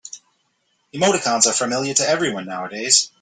Emoticons are familiar to everyone nowadays.